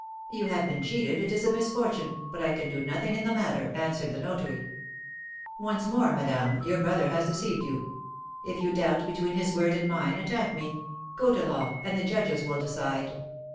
'You have been cheated, it is a misfortune, but I can do nothing in the matter,' answered the notary. 'Once more, madame, your brother has deceived you. If you doubt between his word and mine, attack me; go to law, and the judges will decide.'